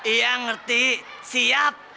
iya ngerti siap